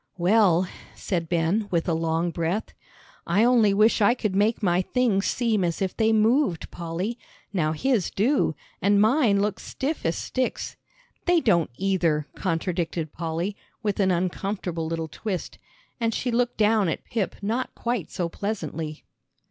"Well," said Ben, with a long breath, "I only wish I could make my things seem as if they moved, Polly. Now his do, and mine look stiff as sticks." "They don't either," contradicted Polly, with an uncomfortable little twist. And she looked down at Pip not quite so pleasantly.